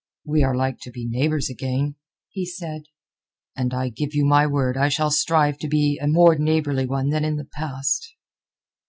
"We are like to be neighbours again," he said, "and I give you my word I shall strive to be a more neighbourly one than in the past."